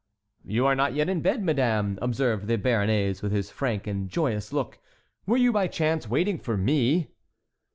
"You are not yet in bed, Madame," observed the Béarnais, with his frank and joyous look. "Were you by chance waiting for me?"